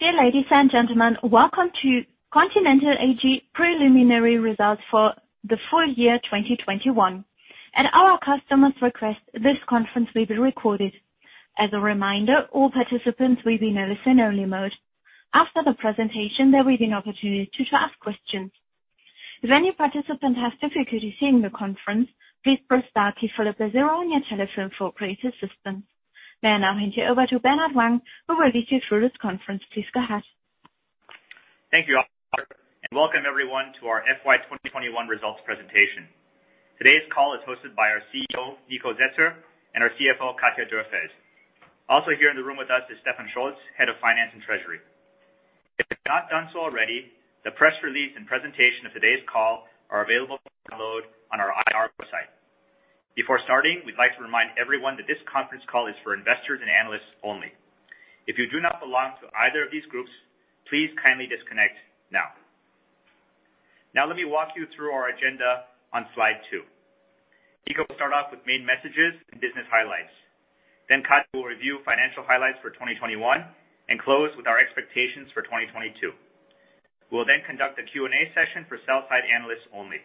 Dear ladies and gentlemen, Welcome to Continental AG Preliminary Results for the Full Year 2021. At our customer's request, this conference will be recorded. As a reminder, all participants will be in a listen-only mode. After the presentation, there will be an opportunity to ask questions. If any participant has difficulty seeing the conference, please press star key followed by zero on your telephone for operator assistance. May I now hand you over to Bernard Wang, who will lead you through this conference. Please go ahead. Thank you, operator. Welcome everyone to our FY2021 results presentation. Today's call is hosted by our CEO, Nikolai Setzer, and our CFO, Katja Dürrfeld. Also here in the room with us is Stefan Scholz, Head of Finance and Treasury. If you've not done so already, the press release and presentation of today's call are available for download on our IR website. Before starting, we'd like to remind everyone that this conference call is for investors and analysts only. If you do not belong to either of these groups, please kindly disconnect now. Now let me walk you through our agenda on Slide 2. Niko will start off with main messages and business highlights. Then Katja will review financial highlights for 2021 and close with our expectations for 2022. We'll then conduct a Q&A session for sell side analysts only.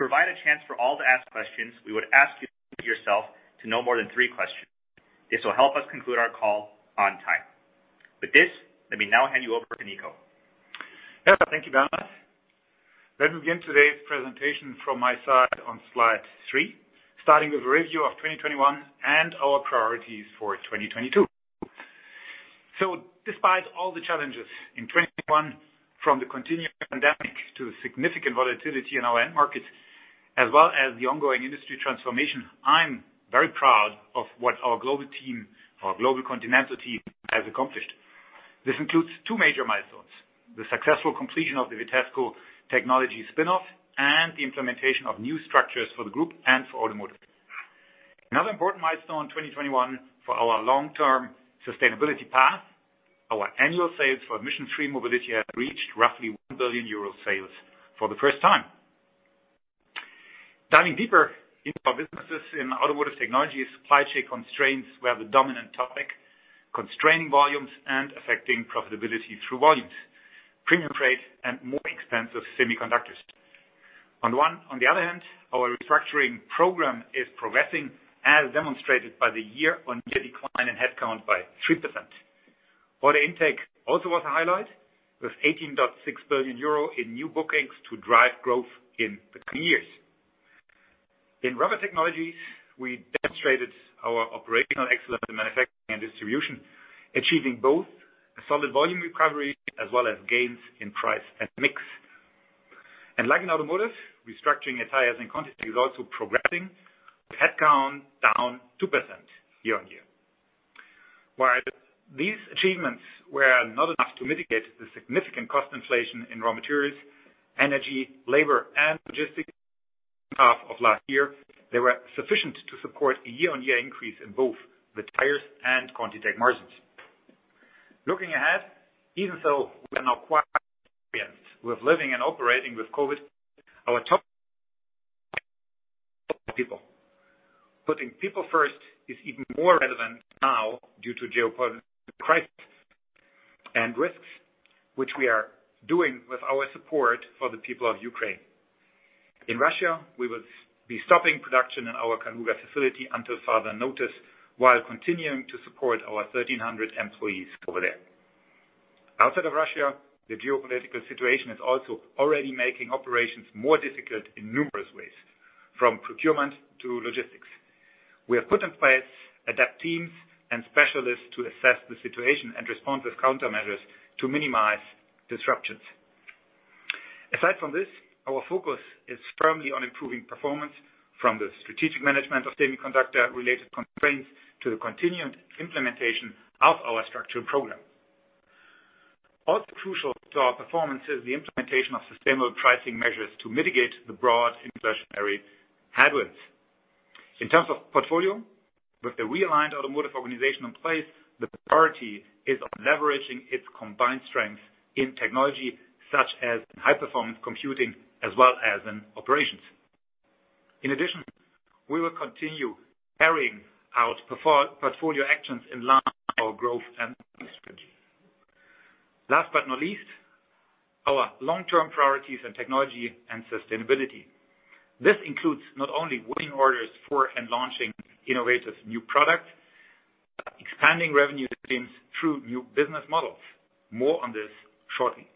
To provide a chance for all to ask questions, we would ask you to limit yourself to no more than three questions. This will help us conclude our call on time. With this, let me now hand you over to Niko. Yeah, thank you, Bernard. Let me begin today's presentation from my side on Slide 3, starting with a review of 2021 and our priorities for 2022. Despite all the challenges in 2021, from the continuing pandemic to the significant volatility in our end markets, as well as the ongoing industry transformation, I'm very proud of what our global team, our global Continental team, has accomplished. This includes two major milestones. The successful completion of the Vitesco Technologies spin-off and the implementation of new structures for the Group and for Automotive. Another important milestone in 2021 for our long-term sustainability path, our annual sales for emission-free mobility has reached roughly 1 billion euro sales for the first time. Diving deeper into our businesses in Automotive Technologies, supply chain constraints were the dominant topic, constraining volumes and affecting profitability through volumes, premium freight and more expensive semiconductors. On the other hand, our restructuring program is progressing as demonstrated by the year-on-year decline in headcount by 3%. Order intake also was a highlight, with 18.6 billion euro in new bookings to drive growth in the coming years. In Rubber Technologies, we demonstrated our operational excellence in manufacturing and distribution, achieving both a solid volume recovery as well as gains in price and mix. Like in Automotive, restructuring at Tires and Conti is also progressing, with headcount down 2% year-on-year. While these achievements were not enough to mitigate the significant cost inflation in raw materials, energy, labor, and logistics in the second half of last year, they were sufficient to support a year-on-year increase in both the Tires and ContiTech margins. Looking ahead, even though we are now quite experienced with living and operating with COVID, our top priority remains people. Putting people first is even more relevant now due to geopolitical crisis and risks, which we are doing with our support for the people of Ukraine. In Russia, we will be stopping production in our Kaluga facility until further notice, while continuing to support our 1,300 employees over there. Outside of Russia, the geopolitical situation is also already making operations more difficult in numerous ways, from procurement to logistics. We have put in place adept teams and specialists to assess the situation and respond with countermeasures to minimize disruptions. Aside from this, our focus is firmly on improving performance from the strategic management of semiconductor related constraints to the continued implementation of our structural program. Also crucial to our performance is the implementation of sustainable pricing measures to mitigate the broad inflationary headwinds. In terms of portfolio, with the realigned Automotive organization in place, the priority is on leveraging its combined strength in technology such as high-performance computing as well as in operations. In addition, we will continue carrying out portfolio actions in line with our growth and strategy. Last but not least, our long-term priorities in technology and sustainability include not only winning orders for and launching innovative new products, but expanding revenue streams through new business models. More on this shortly.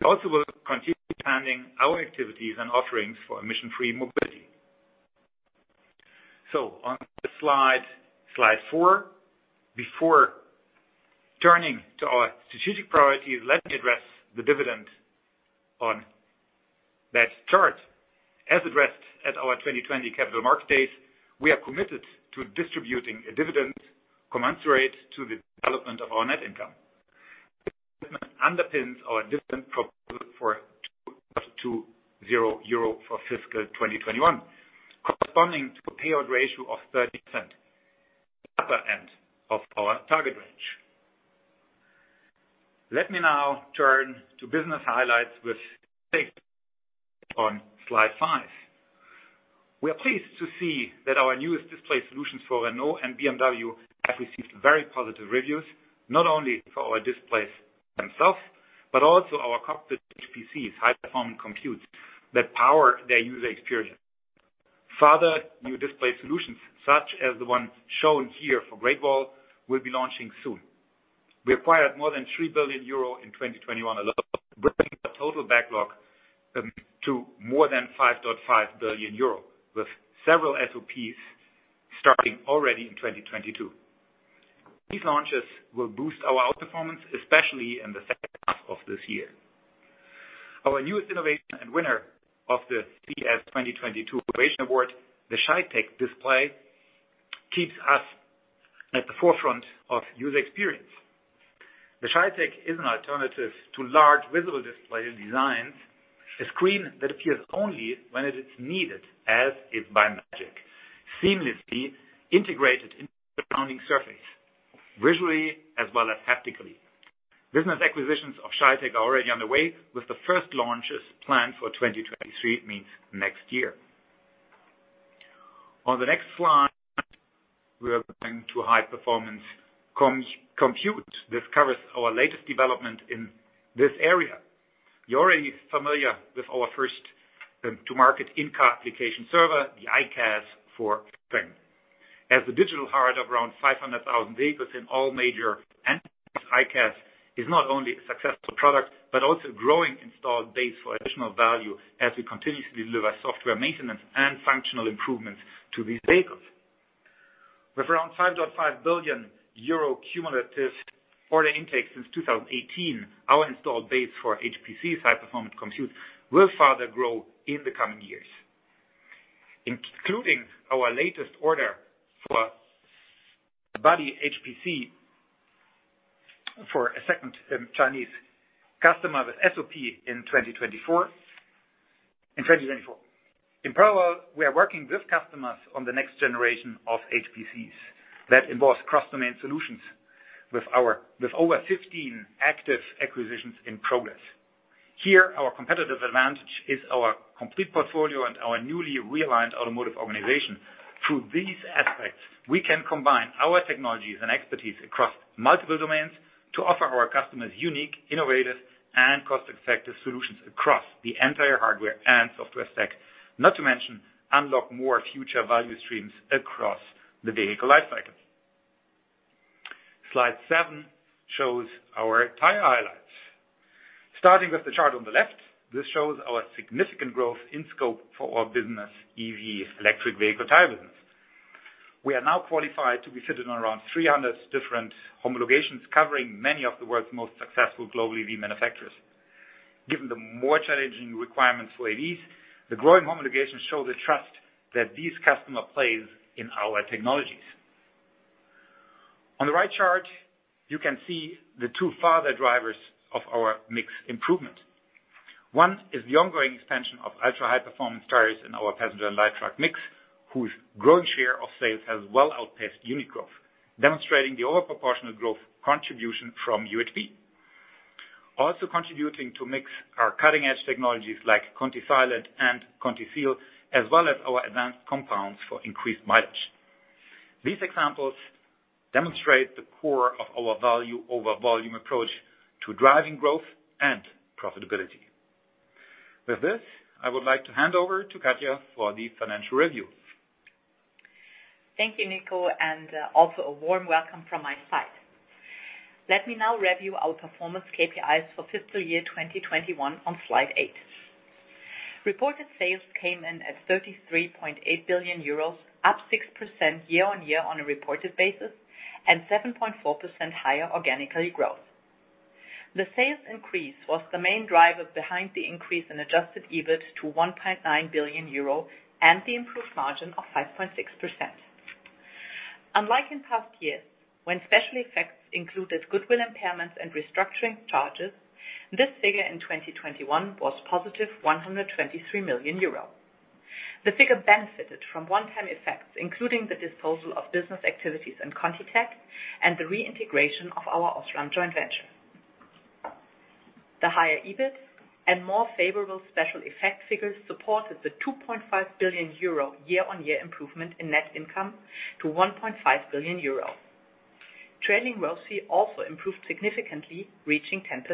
We also will continue expanding our activities and offerings for emission-free mobility. On to the Slide 4. Before turning to our strategic priorities, let me address the dividend on that chart. As addressed at our 2020 capital markets, we are committed to distributing a dividend commensurate to the development of our net income. This commitment underpins our dividend proposal for 2.20 euro for fiscal 2021, corresponding to a payout ratio of 30%, at the upper end of our target range. Let me now turn to business highlights on Slide 6. We are pleased to see that our newest display solutions for Renault and BMW have received very positive reviews, not only for our displays themselves, but also our cockpit HPCs, high-performance computers, that power their user experience. Further, new display solutions such as the one shown here for Great Wall will be launching soon. We acquired more than 3 billion euro in 2021 alone, bringing the total backlog to more than 5.5 billion euro, with several SOPs starting already in 2022. These launches will boost our outperformance, especially in the second half of this year. Our newest innovation and winner of the CES 2022 Innovation Award, the ShyTech Display, keeps us at the forefront of user experience. The ShyTech is an alternative to large visible display designs, a screen that appears only when it is needed, as if by magic, seamlessly integrated into the surrounding surface, visually as well as haptically. Business acquisitions of ShyTech are already underway, with the first launches planned for 2023, it means next year. On the next slide, we are going to high performance compute. This covers our latest development in this area. You're already familiar with our first-to-market in-car application server, the ICAS1 for Volkswagen. As the digital heart of around 500,000 vehicles in all major markets, ICAS is not only a successful product, but also growing installed base for additional value as we continue to deliver software maintenance and functional improvements to these vehicles. With around 5.5 billion euro cumulative order intake since 2018, our installed base for HPC, high performance compute, will further grow in the coming years, including our latest order for the Body HPC for a second Chinese customer with SOP in 2024. In parallel, we are working with customers on the next generation of HPCs that involves cross-domain solutions with over 15 active acquisitions in progress. Here, our competitive advantage is our complete portfolio and our newly realigned Automotive organization. Through these aspects, we can combine our technologies and expertise across multiple domains to offer our customers unique, innovative, and cost-effective solutions across the entire hardware and software stack. Not to mention, unlock more future value streams across the vehicle lifecycle. Slide 7 shows our tire highlights. Starting with the chart on the left, this shows our significant growth in scope for our business EV, electric vehicle tire business. We are now qualified to be fitted on around 300 different homologations, covering many of the world's most successful global EV manufacturers. Given the more challenging requirements for EVs, the growing homologation shows the trust that these customers place in our technologies. On the right chart, you can see the two further drivers of our mix improvement. One is the ongoing expansion of ultra-high performance tires in our passenger and light truck mix, whose growing share of sales has well outpaced unit growth, demonstrating the overproportional growth contribution from UHP. Also contributing to our mix are our cutting edge technologies like ContiSilent and ContiSeal, as well as our advanced compounds for increased mileage. These examples demonstrate the core of our value over volume approach to driving growth and profitability. With this, I would like to hand over to Katja for the financial review. Thank you, Niko, and also a warm welcome from my side. Let me now review our performance KPIs for fiscal year 2021 on Slide 8. Reported sales came in at 33.8 billion euros, up 6% year-on-year on a reported basis, and 7.4% higher organic growth. The sales increase was the main driver behind the increase in adjusted EBIT to 1.9 billion euro and the improved margin of 5.6%. Unlike in past years, when special effects included goodwill impairments and restructuring charges, this figure in 2021 was +123 million euro. The figure benefited from one-time effects, including the disposal of business activities in ContiTech and the reintegration of our Osram joint venture. The higher EBIT and more favorable special effect figures supported the 2.5 billion euro year-on-year improvement in net income to 1.5 billion euro. The margin also improved significantly, reaching 10%.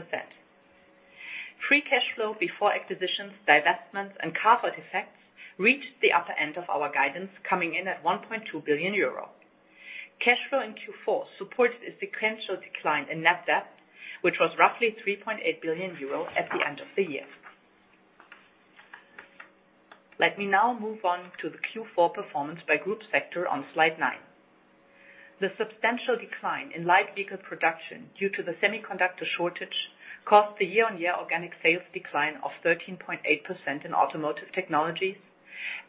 Free cash flow before acquisitions, divestments, and carve-out effects reached the upper end of our guidance, coming in at 1.2 billion euro. Cash flow in Q4 supported a sequential decline in net debt, which was roughly 3.8 billion euro at the end of the year. Let me now move on to the Q4 performance by Group sector on Slide 9. The substantial decline in light vehicle production due to the semiconductor shortage caused a year-on-year organic sales decline of 13.8% in Automotive Technologies,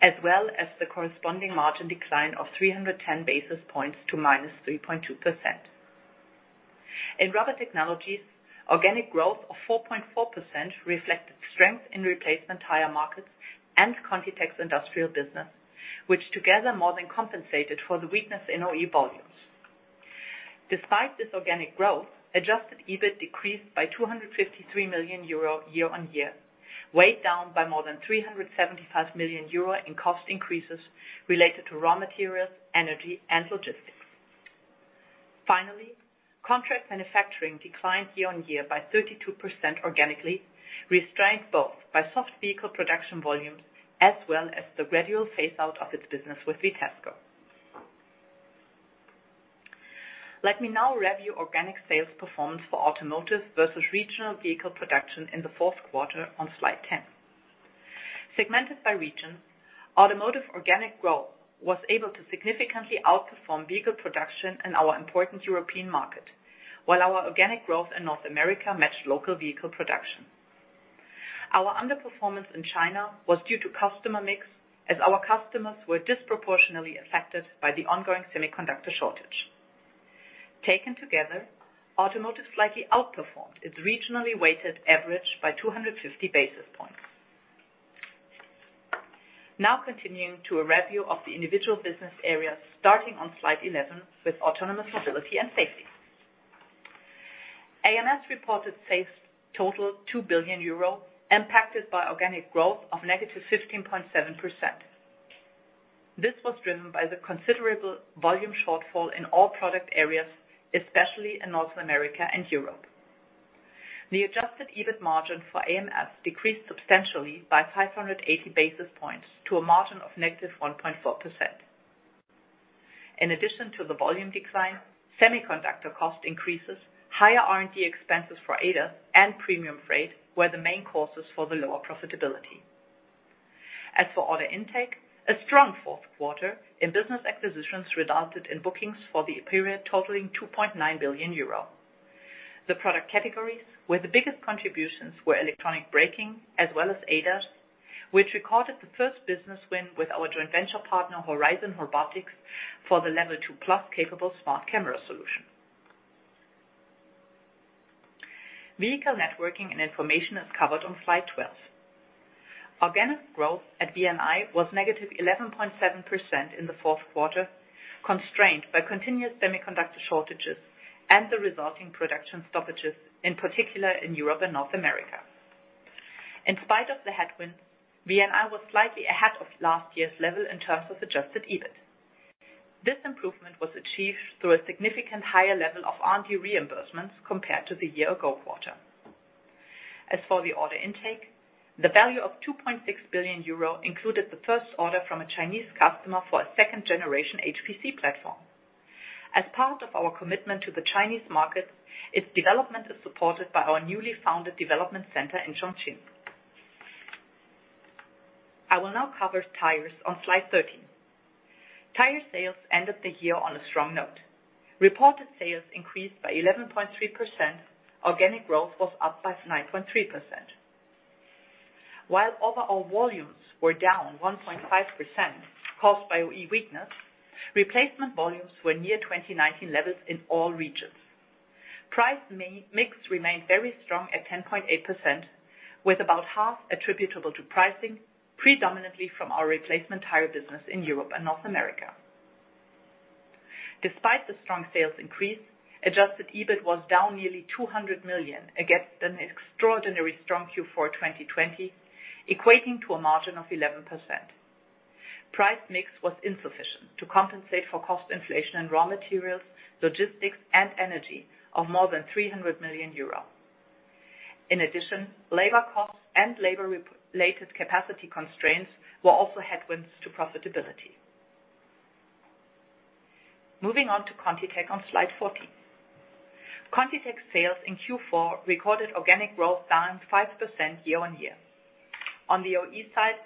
as well as the corresponding margin decline of 310 basis points to -3.2%. In Rubber Technologies, organic growth of 4.4% reflected strength in replacement tire markets and ContiTech's industrial business, which together more than compensated for the weakness in OE volumes. Despite this organic growth, adjusted EBIT decreased by 253 million euro year-on-year, weighed down by more than 375 million euro in cost increases related to raw materials, energy, and logistics. Finally, contract manufacturing declined year-on-year by 32% organically, restrained both by soft vehicle production volumes as well as the gradual phase out of its business with Vitesco. Let me now review organic sales performance for Automotive versus regional vehicle production in the Q4 on Slide 10. Segmented by region, Automotive organic growth was able to significantly outperform vehicle production in our important European market, while our organic growth in North America matched local vehicle production. Our underperformance in China was due to customer mix as our customers were disproportionately affected by the ongoing semiconductor shortage. Taken together, Automotive slightly outperformed its regionally weighted average by 250 basis points. Now continuing to a review of the individual business areas starting on Slide 11 with Autonomous Mobility and Safety. AMS reported sales total 2 billion euro impacted by organic growth of -15.7%. This was driven by the considerable volume shortfall in all product areas, especially in North America and Europe. The adjusted EBIT margin for AMS decreased substantially by 580 basis points to a margin of -1.4%. In addition to the volume decline, semiconductor cost increases, higher R&D expenses for ADAS, and premium freight were the main causes for the lower profitability. As for order intake, a strong Q4 in business acquisitions resulted in bookings for the period totaling 2.9 billion euro. The product categories where the biggest contributions were electronic braking as well as ADAS, which recorded the first business win with our joint venture partner, Horizon Robotics, for the level 2+ capable smart camera solution. Vehicle Networking and Information is covered on Slide 12. Organic growth at VNI was -11.7% in the Q4, constrained by continuous semiconductor shortages and the resulting production stoppages, in particular in Europe and North America. In spite of the headwinds, VNI was slightly ahead of last year's level in terms of adjusted EBIT. This improvement was achieved through a significantly higher level of R&D reimbursements compared to the year-ago quarter. As for the order intake, the value of 2.6 billion euro included the first order from a Chinese customer for a second-generation HPC platform. As part of our commitment to the Chinese market, its development is supported by our newly founded development center in Chongqing. I will now cover Tires on Slide 13. Tire sales ended the year on a strong note. Reported sales increased by 11.3%. Organic growth was up by 9.3%. While overall volumes were down 1.5% caused by OE weakness, replacement volumes were near 2019 levels in all regions. Price mix remained very strong at 10.8%, with about half attributable to pricing predominantly from our replacement tire business in Europe and North America. Despite the strong sales increase, adjusted EBIT was down nearly 200 million against an extraordinary strong Q4 2020, equating to a margin of 11%. Price mix was insufficient to compensate for cost inflation in raw materials, logistics, and energy of more than 300 million euros. In addition, labor costs and labor-related capacity constraints were also headwinds to profitability. Moving on to ContiTech on Slide 14. ContiTech sales in Q4 recorded organic growth down 5% year-on-year. On the OE side,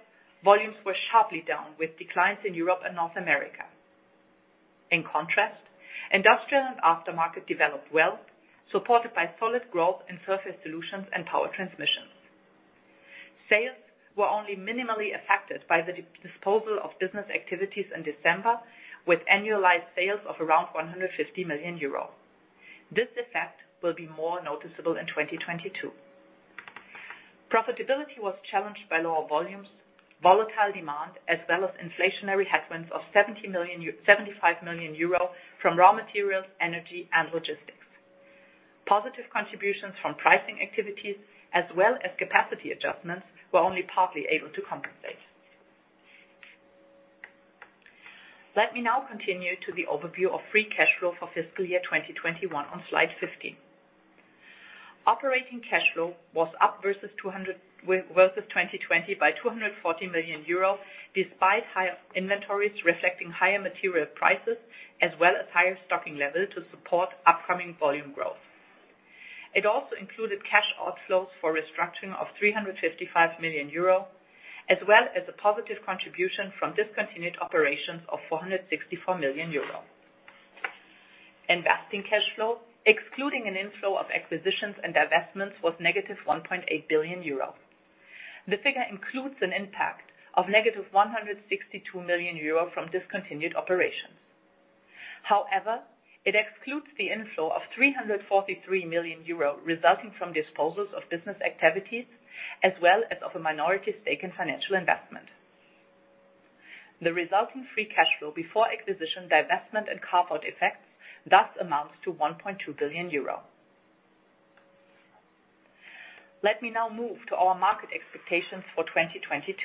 volumes were sharply down with declines in Europe and North America. In contrast, industrial and aftermarket developed well, supported by solid growth in Surface Solutions and Power Transmission. Sales were only minimally affected by the disposal of business activities in December with annualized sales of around 150 million euro. This effect will be more noticeable in 2022. Profitability was challenged by lower volumes, volatile demand, as well as inflationary headwinds of 75 million euro from raw materials, energy, and logistics. Positive contributions from pricing activities as well as capacity adjustments were only partly able to compensate. Let me now continue to the overview of free cash flow for fiscal year 2021 on Slide 15. Operating cash flow was up versus 2020 by 240 million euro, despite higher inventories reflecting higher material prices as well as higher stocking levels to support upcoming volume growth. It also included cash outflows for restructuring of 355 million euro as well as a positive contribution from discontinued operations of 464 million euro. Investing cash flow, excluding an inflow of acquisitions and divestments, was -1.8 billion euros. The figure includes an impact of -162 million euro from discontinued operations. However, it excludes the inflow of 343 million euro resulting from disposals of business activities, as well as of a minority stake in financial investment. The resulting free cash flow before acquisition, divestment, and carve-out effects thus amounts to 1.2 billion euro. Let me now move to our market expectations for 2022.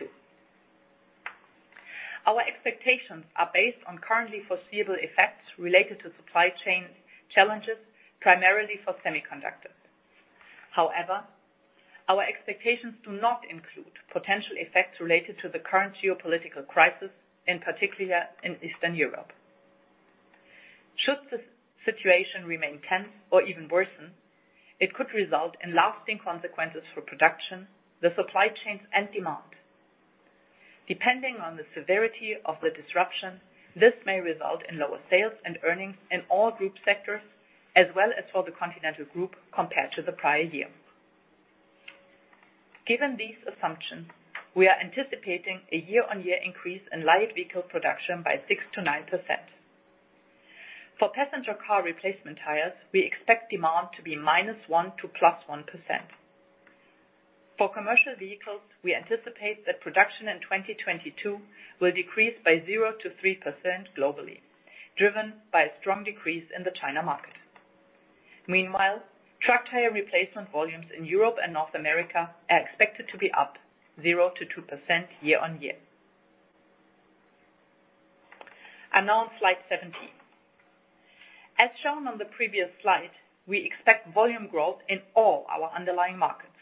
Our expectations are based on currently foreseeable effects related to supply chain challenges, primarily for semiconductors. However, our expectations do not include potential effects related to the current geopolitical crisis, in particular in Eastern Europe. Should the situation remain tense or even worsen, it could result in lasting consequences for production, the supply chains, and demand. Depending on the severity of the disruption, this may result in lower sales and earnings in all group sectors, as well as for the Continental Group compared to the prior year. Given these assumptions, we are anticipating a year-on-year increase in light vehicle production by 6%-9%. For passenger car replacement tires, we expect demand to be -1% to +1%. For commercial vehicles, we anticipate that production in 2022 will decrease by 0%-3% globally, driven by a strong decrease in the China market. Meanwhile, truck tire replacement volumes in Europe and North America are expected to be up 0%-2% year-on-year. Now on Slide 17. As shown on the previous slide, we expect volume growth in all our underlying markets,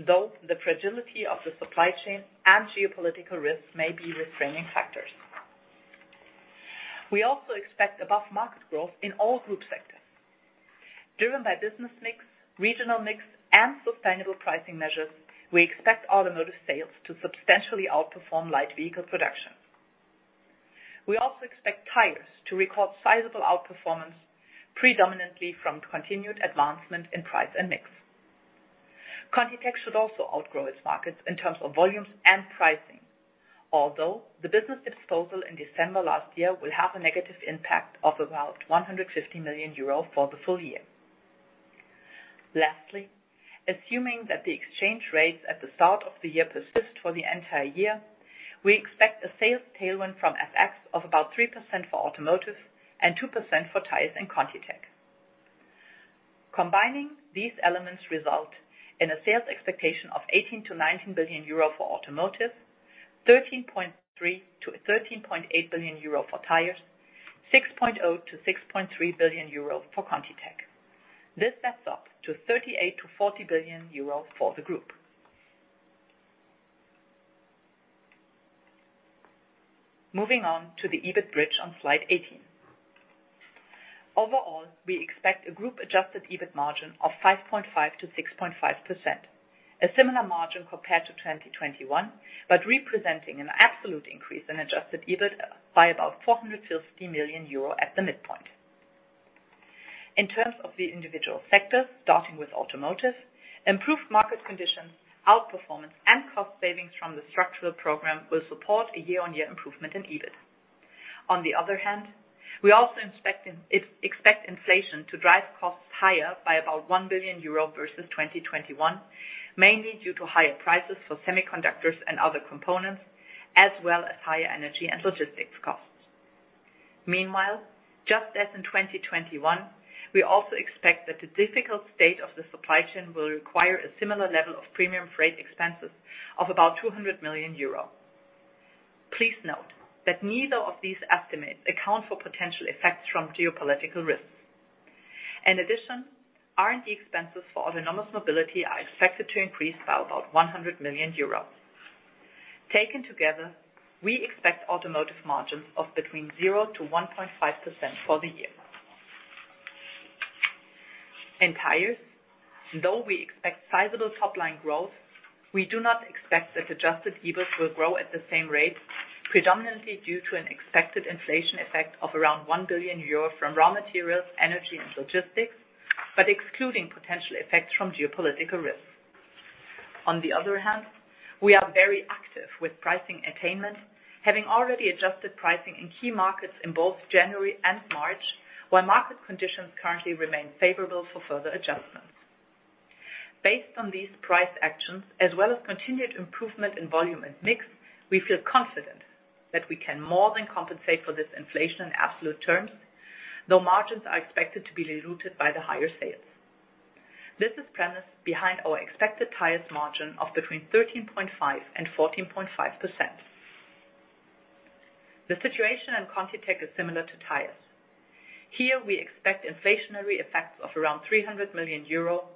though the fragility of the supply chain and geopolitical risks may be restraining factors. We also expect above-market growth in all group sectors. Driven by business mix, regional mix, and sustainable pricing measures, we expect Automotive sales to substantially outperform light vehicle production. We also expect Tires to record sizable outperformance, predominantly from continued advancement in price and mix. ContiTech should also outgrow its markets in terms of volumes and pricing. Although the business disposal in December last year will have a negative impact of about 150 million euro for the full year. Lastly, assuming that the exchange rates at the start of the year persist for the entire year, we expect a sales tailwind from FX of about 3% for Automotive and 2% for Tires and ContiTech. Combining these elements result in a sales expectation of 18 billion-19 billion euro for Automotive, 13.3 billion-13.8 billion euro for Tires, 6.0 billion-6.3 billion euro for ContiTech. This adds up to 38 billion-40 billion euro for the Group. Moving on to the EBIT bridge on Slide 18. Overall, we expect a Group-adjusted EBIT margin of 5.5%-6.5%, a similar margin compared to 2021, but representing an absolute increase in adjusted EBIT by about 450 million euro at the midpoint. In terms of the individual sectors, starting with Automotive, improved market conditions, outperformance, and cost savings from the structural program will support a year-on-year improvement in EBIT. On the other hand, we also expect inflation to drive costs higher by about 1 billion euro versus 2021, mainly due to higher prices for semiconductors and other components, as well as higher energy and logistics costs. Meanwhile, just as in 2021, we also expect that the difficult state of the supply chain will require a similar level of premium freight expenses of about 200 million euro. Please note that neither of these estimates account for potential effects from geopolitical risks. In addition, R&D expenses for Autonomous Mobility are expected to increase by about 100 million euros. Taken together, we expect Automotive margins of between 0% and 1.5% for the year. In Tires, though we expect sizable top-line growth, we do not expect that adjusted EBIT will grow at the same rate, predominantly due to an expected inflation effect of around 1 billion euro from raw materials, energy and logistics, but excluding potential effects from geopolitical risks. On the other hand, we are very active with pricing attainment, having already adjusted pricing in key markets in both January and March, where market conditions currently remain favorable for further adjustments. Based on these price actions, as well as continued improvement in volume and mix, we feel confident that we can more than compensate for this inflation in absolute terms, though margins are expected to be diluted by the higher sales. This is the premise behind our expected Tires margin of between 13.5% and 14.5%. The situation in ContiTech is similar to Tires. Here, we expect inflationary effects of around 300 million euro,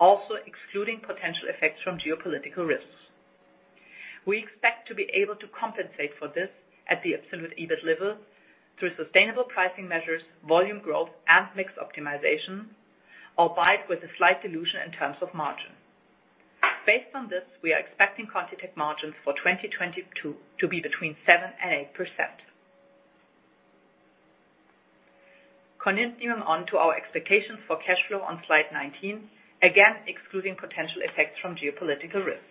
also excluding potential effects from geopolitical risks. We expect to be able to compensate for this at the absolute EBIT level through sustainable pricing measures, volume growth, and mix optimization, albeit with a slight dilution in terms of margin. Based on this, we are expecting ContiTech margins for 2022 to be between 7%-8%. Continuing on to our expectations for cash flow on Slide 19, again excluding potential effects from geopolitical risks.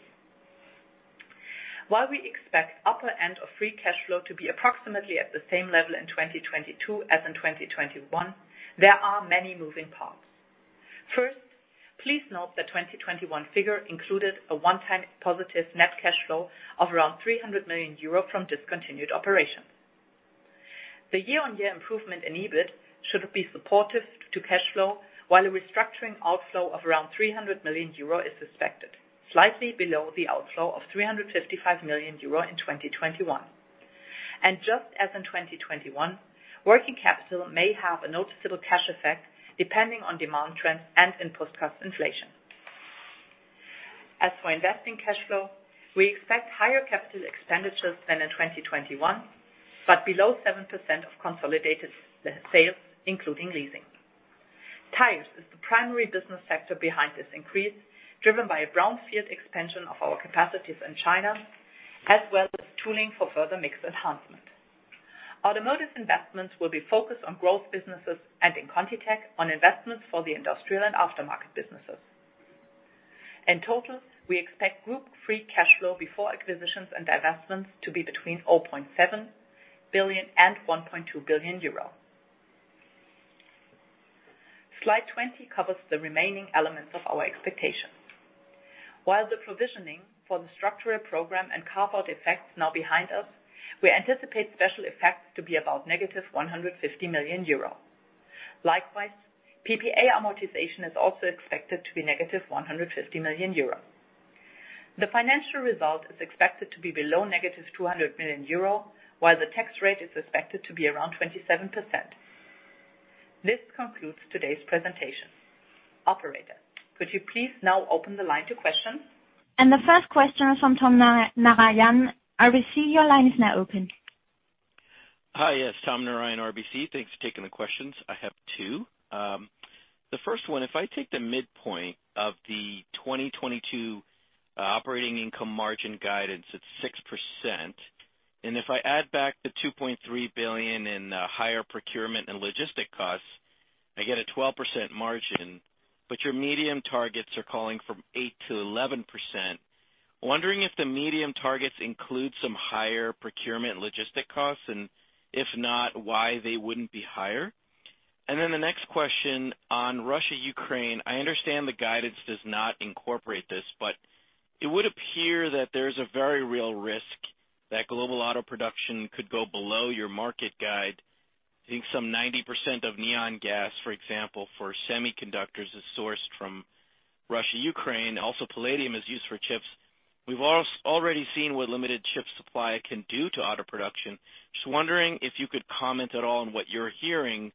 While we expect upper end of free cash flow to be approximately at the same level in 2022 as in 2021, there are many moving parts. First, please note the 2021 figure included a one-time positive net cash flow of around 300 million euro from discontinued operations. The year-on-year improvement in EBIT should be supportive to cash flow while a restructuring outflow of around 300 million euro is expected, slightly below the outflow of 355 million euro in 2021. Just as in 2021, working capital may have a noticeable cash effect depending on demand trends and input cost inflation. As for investing cash flow, we expect higher capital expenditures than in 2021, but below 7% of consolidated sales, including leasing. Tires is the primary business sector behind this increase, driven by a brownfield expansion of our capacities in China, as well as tooling for further mix enhancement. Automotive investments will be focused on growth businesses and in ContiTech on investments for the industrial and aftermarket businesses. In total, we expect Group free cash flow before acquisitions and divestments to be between 0.7 billion and 1.2 billion euro. Slide 20 covers the remaining elements of our expectations. While the provisioning for the structural program and carve-out effects now behind us, we anticipate special effects to be about -150 million euro. Likewise, PPA amortization is also expected to be negative 150 million euro. The financial result is expected to be below -200 million euro, while the tax rate is expected to be around 27%. This concludes today's presentation. Operator, could you please now open the line to questions? The first question is from Tom Narayan, RBC. Your line is now open. Hi. Yes, Tom Narayan, RBC. Thanks for taking the questions. I have two. The first one, if I take the midpoint of the 2022 operating income margin guidance, it's 6%, and if I add back the 2.3 billion in higher procurement and logistic costs, I get a 12% margin, but your medium targets are calling for 8%-11%. Wondering if the medium targets include some higher procurement logistic costs, and if not, why they wouldn't be higher. The next question on Russia, Ukraine, I understand the guidance does not incorporate this, but it would appear that there's a very real risk that global auto production could go below your market guide. I think some 90% of neon gas, for example, for semiconductors, is sourced from Russia, Ukraine. Also, palladium is used for chips. We've already seen what limited chip supply can do to auto production. Just wondering if you could comment at all on what you're hearing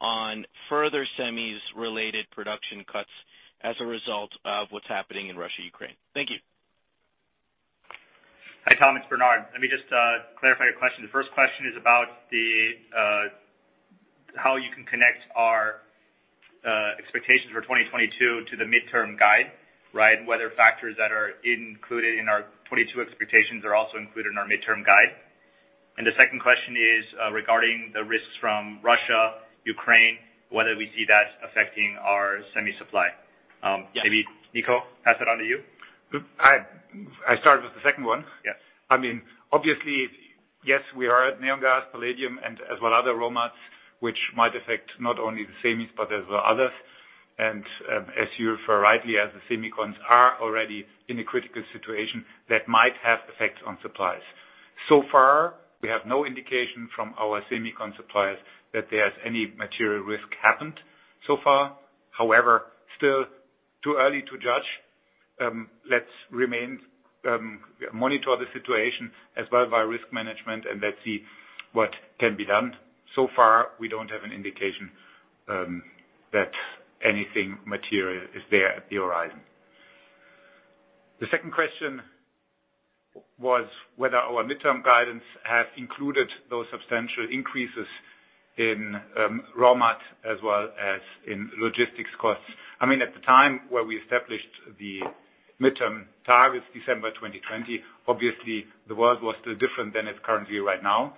on further semis related production cuts as a result of what's happening in Russia, Ukraine? Thank you. Hi, Tom, it's Bernard. Let me just clarify your question. The first question is about how you can connect our expectations for 2022 to the midterm guide, right? Whether factors that are included in our 2022 expectations are also included in our midterm guide. The second question is regarding the risks from Russia, Ukraine, whether we see that affecting our semi supply. Maybe Niko, pass it on to you. I start with the second one. Yes. I mean, obviously, yes, we are at neon gas, palladium and as well other raw mats which might affect not only the semis, but as well others. As you refer rightly, as the semicons are already in a critical situation that might have effects on supplies. So far, we have no indication from our semicon suppliers that there's any material risk happened so far. However, still too early to judge. Monitor the situation as well via risk management, and let's see what can be done. So far, we don't have an indication that anything material is there at the horizon. The second question was whether our midterm guidance have included those substantial increases in raw mat as well as in logistics costs. I mean, at the time where we established the midterm targets, December 2020, obviously the world was still different than it's currently right now.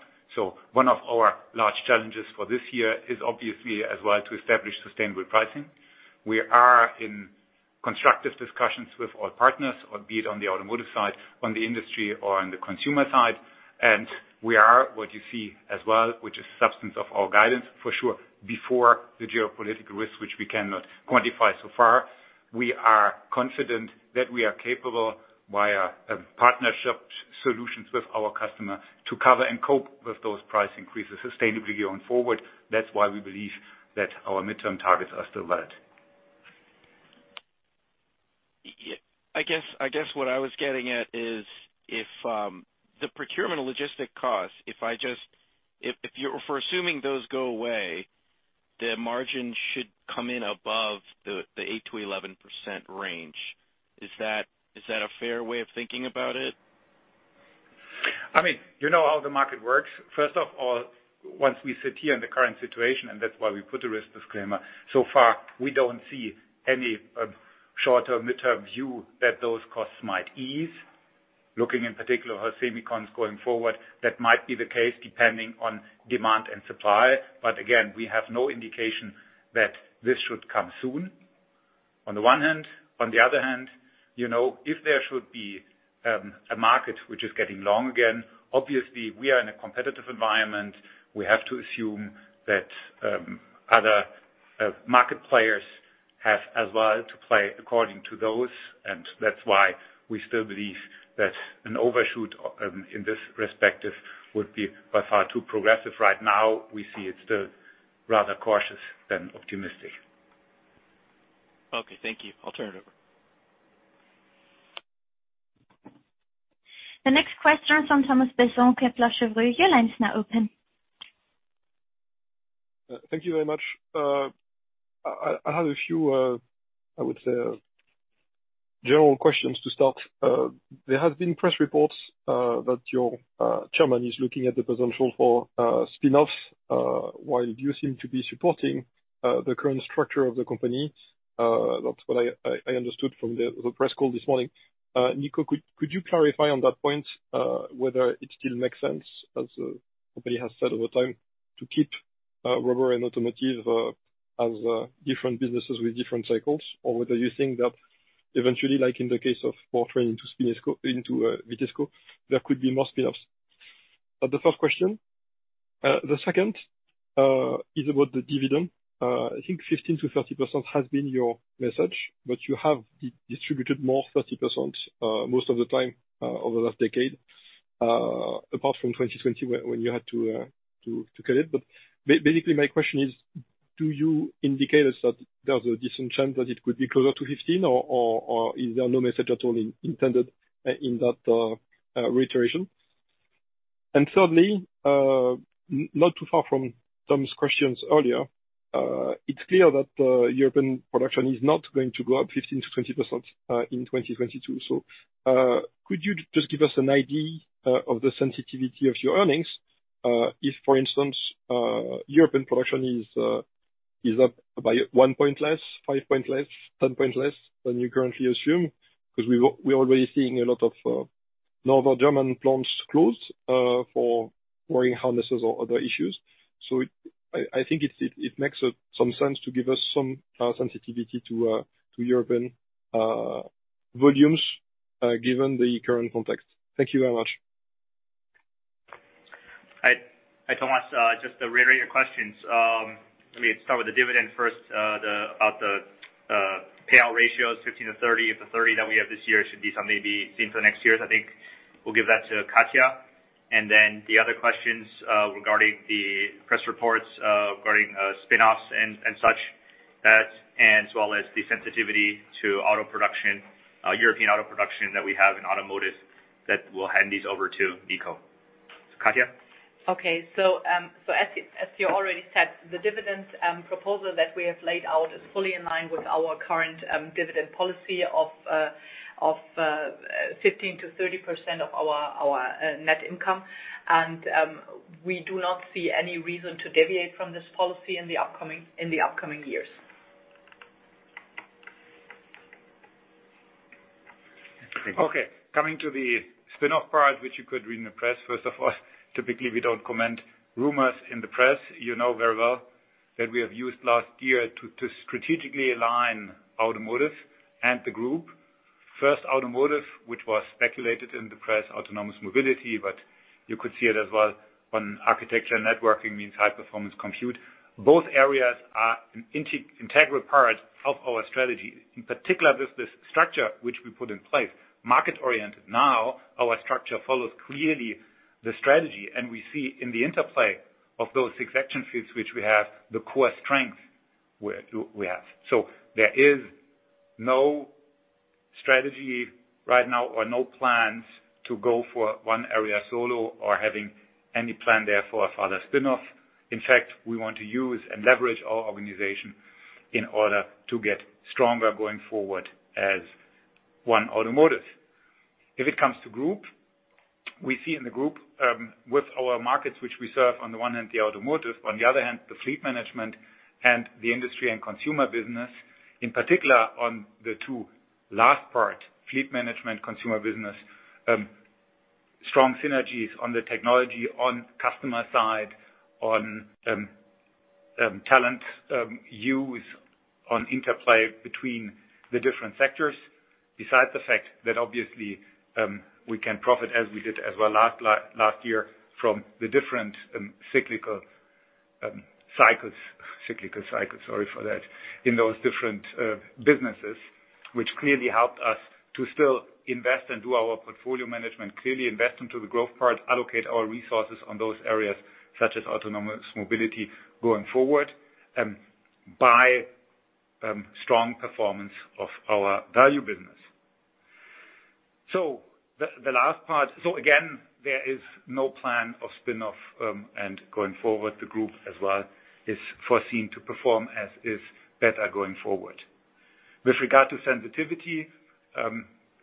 One of our large challenges for this year is obviously as well to establish sustainable pricing. We are in constructive discussions with our partners, or be it on the Automotive side, on the industry or on the consumer side. We are what you see as well, which is substance of our guidance for sure, before the geopolitical risk, which we cannot quantify so far. We are confident that we are capable via partnership solutions with our customer to cover and cope with those price increases sustainably going forward. That's why we believe that our midterm targets are still valid. I guess what I was getting at is if the procurement and logistics costs, if we're assuming those go away, the margin should come in above the 8%-11% range. Is that a fair way of thinking about it? I mean, you know how the market works. First of all, once we sit here in the current situation, and that's why we put a risk disclaimer, so far, we don't see any short-term, mid-term view that those costs might ease. Looking in particular at semicons going forward, that might be the case depending on demand and supply. Again, we have no indication that this should come soon. On the one hand, on the other hand, you know, if there should be a market which is getting long again, obviously we are in a competitive environment. We have to assume that other market players have as well to play according to those, and that's why we still believe that an overshoot in this respect would be by far too progressive right now, we see it's still rather cautious than optimistic. Okay, thank you. I'll turn it over. The next question is from Thomas Besson, Kepler Cheuvreux. Your line is now open. Thank you very much. I have a few, I would say, general questions to start. There has been press reports that your chairman is looking at the potential for spin-offs. While you seem to be supporting the current structure of the company, that's what I understood from the press call this morning. Niko, could you clarify on that point whether it still makes sense, as the company has said over time, to keep Rubber and Automotive as different businesses with different cycles? Or whether you think that eventually, like in the case of Powertrain to spin into Vitesco, there could be more spin-offs? That's the first question. The second is about the dividend. I think 15%-30% has been your message, but you have distributed more than 30%, most of the time, over the last decade, apart from 2020 when you had to cut it. Basically, my question is, do you indicate to us that there's a decent chance that it could be closer to 15% or is there no message at all in that reiteration? Thirdly, not too far from Tom's questions earlier, it's clear that European production is not going to go up 15%-20% in 2022. Could you just give us an idea of the sensitivity of your earnings if, for instance, European production is up by one point less, five points less, 10 points less than you currently assume? 'Cause we're already seeing a lot of Northern German plants close for wiring harnesses or other issues. I think it makes some sense to give us some sensitivity to European volumes given the current context. Thank you very much. Hi. Hi, Thomas. Just to reiterate your questions, let me start with the dividend first. The payout ratio is 15%-30%. If the 30% that we have this year should be something to be seen for next year. I think we'll give that to Katja. Then the other questions regarding the press reports regarding spin-offs and such, that as well as the sensitivity to auto production, European auto production that we have in Automotive, that we'll hand these over to Niko. Katja. Okay. As you already said, the dividend proposal that we have laid out is fully in line with our current dividend policy of 15%-30% of our net income. We do not see any reason to deviate from this policy in the upcoming years. Okay. Coming to the spin-off part, which you could read in the press. First of all, typically, we don't comment on rumors in the press. You know very well that we have used last year to strategically align Automotive and the Group. First Automotive, which was speculated in the press, Autonomous Mobility, but you could see it as well on Architecture and Networking, meaning high-performance compute. Both areas are an integral part of our strategy. In particular, this market-oriented structure which we put in place. Now, our structure follows clearly the strategy, and we see in the interplay of those six action fields which we have, the core strength we do have. There is no strategy right now or no plans to go for one area solo or having any plan therefore for other spin-off. In fact, we want to use and leverage our organization in order to get stronger going forward as one Automotive. If it comes to Group, we see in the Group with our markets which we serve on the one hand, the Automotive, on the other hand, the fleet management and the industry and consumer business. In particular on the two last part, fleet management, consumer business, strong synergies on the technology, on customer side, on talent, use on interplay between the different sectors. Besides the fact that obviously, we can profit as we did as well last year from the different cyclical cycles, sorry for that, in those different businesses, which clearly helped us to still invest and do our portfolio management, clearly invest into the growth part, allocate our resources on those areas such as Autonomous Mobility going forward, by strong performance of our value business. Again, there is no plan of spin-off, and going forward, the Group as well is foreseen to perform as is better going forward. With regard to sensitivity,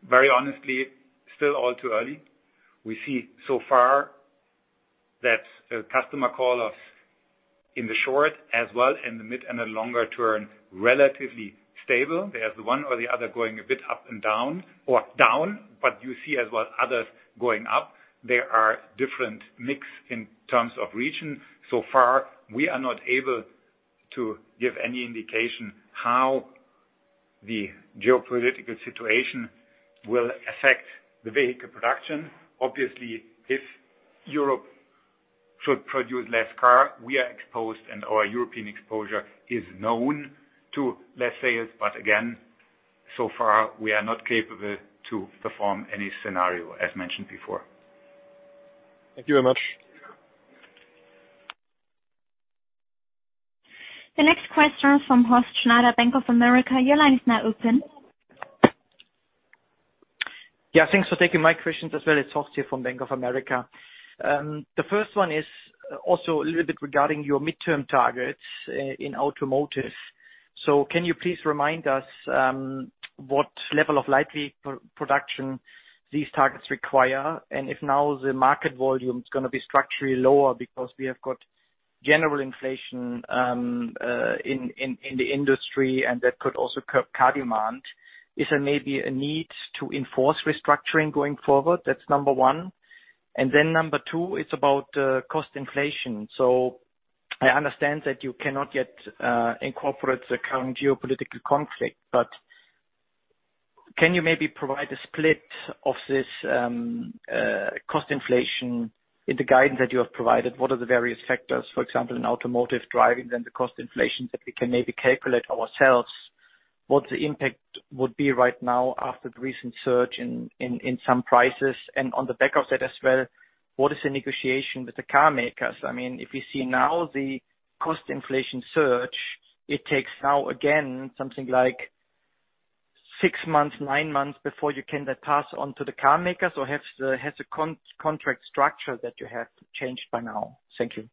very honestly, still all too early. We see so far that customers call us in the short term as well in the mid- and longer term, relatively stable. There's one or the other going a bit up and down or down, but you see as well others going up. There are different mix in terms of region. So far, we are not able to give any indication how the geopolitical situation will affect the vehicle production. Obviously, if Europe should produce less car, we are exposed, and our European exposure is known to, let's say it. Again, so far, we are not capable to perform any scenario, as mentioned before. Thank you very much. The next question from Horst Schneider, Bank of America. Your line is now open. Yeah, thanks for taking my questions as well. It's Horst here from Bank of America. The first one is also a little bit regarding your midterm targets in Automotive. Can you please remind us what level of light vehicle production these targets require? If now the market volume is gonna be structurally lower because we have got general inflation in the industry, and that could also curb car demand. Is there maybe a need to enforce restructuring going forward? That's number one. Number two, it's about cost inflation. I understand that you cannot yet incorporate the current geopolitical conflict, but can you maybe provide a split of this cost inflation in the guidance that you have provided? What are the various sectors, for example, in autonomous driving, then the cost inflation that we can maybe calculate ourselves what the impact would be right now after the recent surge in some prices. On the back of that as well, what is the negotiation with the car makers? I mean, if we see now the cost inflation surge, it takes now, again, something like six months, nine months before you can then pass on to the car makers, or has the contract structure that you have changed by now? Thank you.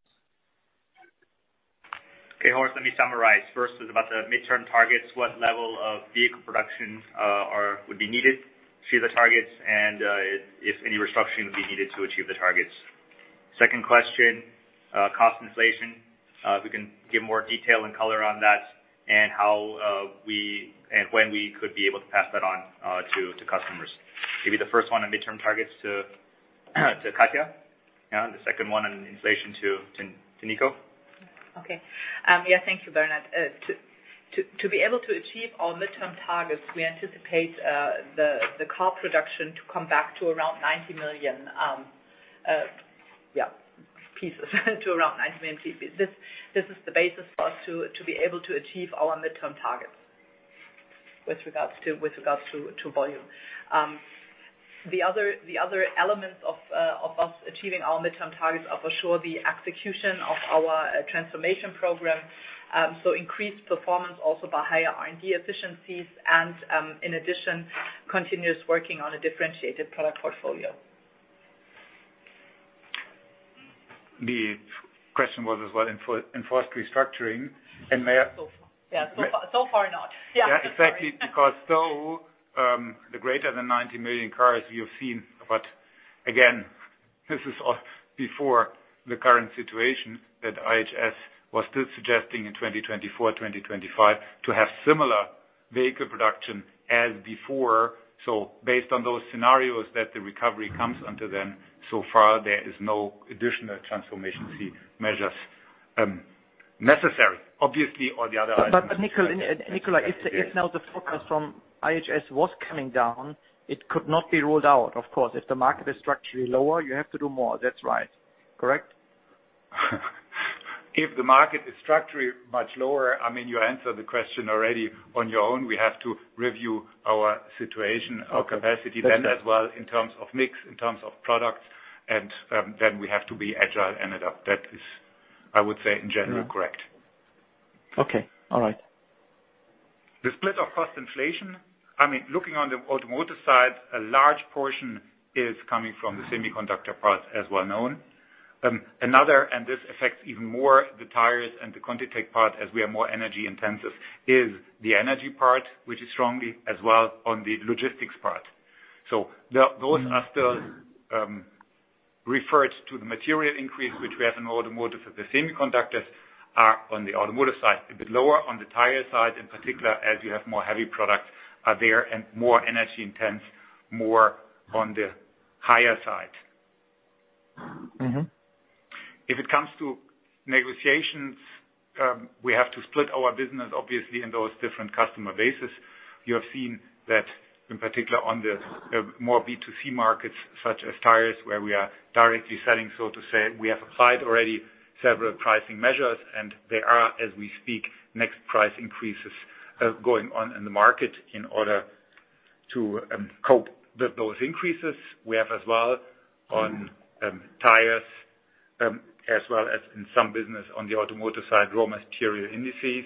Okay, Horst, let me summarize. First was about the midterm targets. What level of vehicle production would be needed to the targets and if any restructuring would be needed to achieve the targets. Second question, cost inflation. We can give more detail and color on that and how we could be able to pass that on to customers. Maybe the first one on midterm targets to Katja. Yeah. The second one on inflation to Niko. Okay. Thank you, Bernard. To be able to achieve our midterm targets, we anticipate the car production to come back to around 90 million pieces. This is the basis for us to be able to achieve our midterm targets with regards to volume. The other elements of us achieving our midterm targets are for sure the execution of our transformation program. Increased performance also by higher R&D efficiencies and, in addition, continuous working on a differentiated product portfolio. The question was as well enforced restructuring. May I Yeah, so far not. Yeah. Yeah, exactly. Because though, the greater than 90 million cars you've seen, but again, this is all before the current situation that IHS was still suggesting in 2024, 2025 to have similar vehicle production as before. Based on those scenarios that the recovery comes under then, so far there is no additional transformation-free measures necessary. Obviously, all the other items Nikolai Setzer, if now the forecast from IHS was coming down, it could not be ruled out. Of course, if the market is structurally lower, you have to do more. That's right. Correct? If the market is structurally much lower, I mean, you answered the question already on your own. We have to review our situation, our capacity then as well in terms of mix, in terms of products, and then we have to be agile and adept. That is, I would say, in general, correct. Okay. All right. The split of cost inflation, I mean, looking on the Automotive side, a large portion is coming from the semiconductor part as well known. Another, and this affects even more the Tires and the ContiTech part as we are more energy-intensive, is the energy part, which is strongly as well on the logistics part. Those are still referred to the material increase, which we have in Automotive. The semiconductors are on the Automotive side, a bit lower on the tire side, in particular, as you have more heavy products there and more energy intense, more on the higher side. If it comes to negotiations, we have to split our business, obviously, in those different customer bases. You have seen that in particular on the more B2C markets such as Tires, where we are directly selling, so to say. We have applied already several pricing measures, and there are, as we speak, next price increases going on in the market in order to cope with those increases. We have as well on Tires as well as in some business on the Automotive side, raw material indices,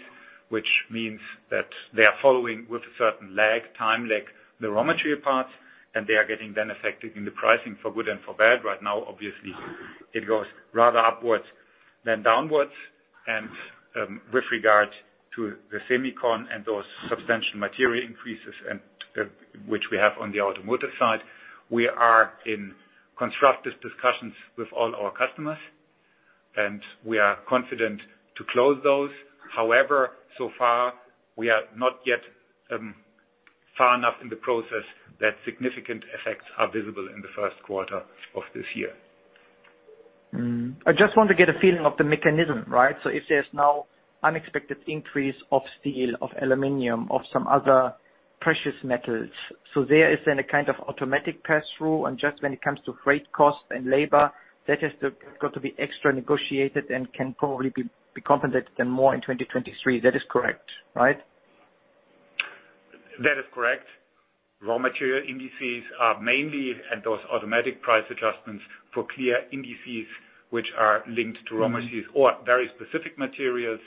which means that they are following with a certain lag time, like the raw material parts, and they are getting then affected in the pricing for good and for bad. Right now, obviously, it goes rather upwards than downwards. With regard to the semicons and those substantial material increases which we have on the Automotive side, we are in constructive discussions with all our customers, and we are confident to close those. However, so far, we are not yet far enough in the process that significant effects are visible in the Q1 of this year. I just want to get a feeling of the mechanism, right? If there's now unexpected increase of steel, of aluminum, of some other precious metals, so there is then a kind of automatic pass-through, and just when it comes to freight costs and labor, that has got to be extra negotiated and can probably be compensated then more in 2023. That is correct, right? That is correct. Raw material indices are mainly, and those automatic price adjustments for clear indices which are linked to raw materials or very specific materials.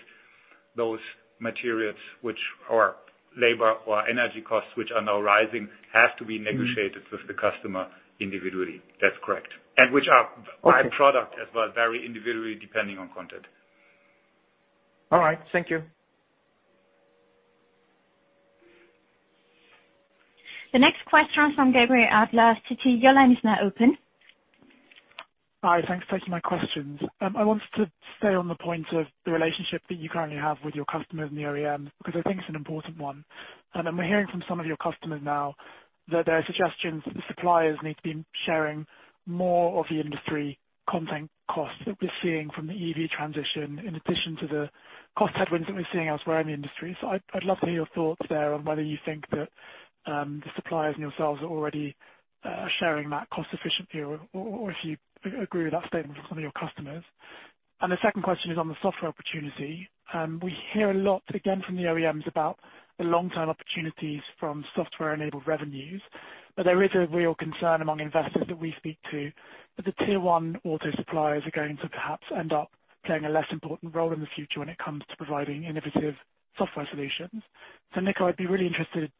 Those materials which are labor or energy costs, which are now rising, have to be negotiated with the customer individually. That's correct. Which are by product as well, very individually, depending on content. All right. Thank you. The next question is from Gabriel Adler of Citigroup. Your line is now open. Hi. Thanks for taking my questions. I wanted to stay on the point of the relationship that you currently have with your customers and the OEMs, because I think it's an important one. Then we're hearing from some of your customers now that there are suggestions that the suppliers need to be sharing more of the industry content costs that we're seeing from the EV transition, in addition to the cost headwinds that we're seeing elsewhere in the industry. I'd love to hear your thoughts there on whether you think that the suppliers and yourselves are already sharing that cost efficiently or if you agree with that statement from some of your customers. The second question is on the software opportunity. We hear a lot again from the OEMs about the long-term opportunities from software-enabled revenues. There is a real concern among investors that we speak to that the tier one auto suppliers are going to perhaps end up playing a less important role in the future when it comes to providing innovative software solutions. Niko, I'd be really interested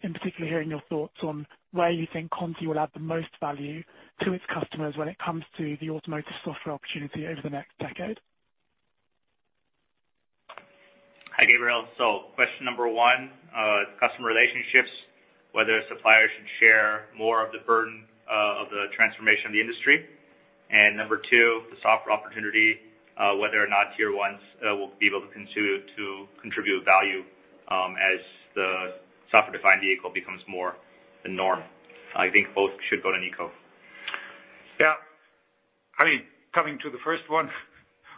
in particularly hearing your thoughts on where you think Conti will add the most value to its customers when it comes to the automotive software opportunity over the next decade. Hi, Gabriel. Question number one, customer relationships, whether suppliers should share more of the burden of the transformation of the industry. Number two, the software opportunity, whether or not tier ones will be able to continue to contribute value as the software-defined vehicle becomes more the norm. I think both should go to Niko. Yeah. I mean, coming to the first one,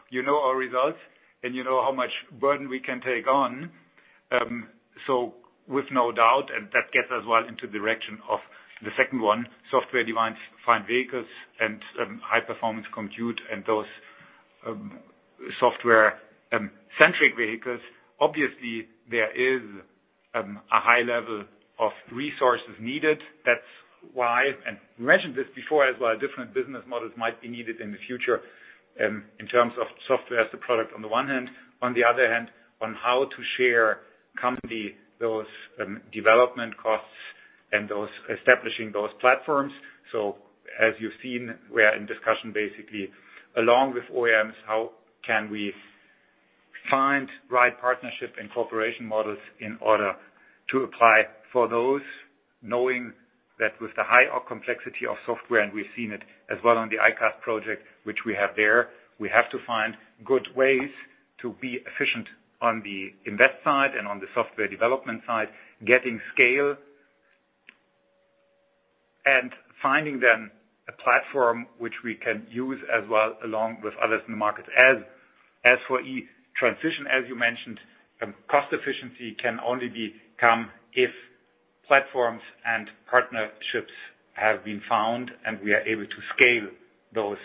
you know our results and you know how much burden we can take on. With no doubt, and that gets us well into the direction of the second one, software-defined vehicles and high-performance compute and those software-centric vehicles. Obviously, there is a high level of resources needed. That's why, and we mentioned this before as well, different business models might be needed in the future, in terms of software as a product on the one hand. On the other hand, on how to share company those development costs and those establishing those platforms. As you've seen, we are in discussion basically along with OEMs, how can we find right partnership and cooperation models in order to apply for those, knowing that with the high complexity of software, and we've seen it as well on the ICAS project, which we have there. We have to find good ways to be efficient on the invest side and on the software development side, getting scale. Finding then a platform which we can use as well, along with others in the market. As for e-transition, as you mentioned, cost efficiency can only become if platforms and partnerships have been found, and we are able to scale those